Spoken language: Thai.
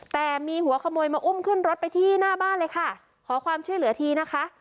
แต่มีหัวขโมยมาอุ้มขึ้นรถไปที่หน้าบ้านเลยค่ะขอความช่วยเหลือทีนะคะ